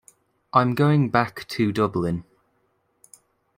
I'm going back to Dublin.